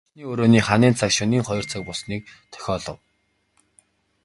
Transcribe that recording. Зочны өрөөний ханын цаг шөнийн хоёр цаг болсныг дохиолов.